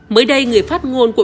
mới đây người phát ngôn của